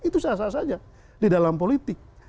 itu salah salah saja di dalam politik